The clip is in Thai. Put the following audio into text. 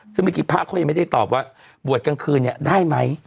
ซึ่งเมื่อกี้พระเขายังไม่ได้ตอบว่าบวชกลางคืนเนี่ยได้ไหม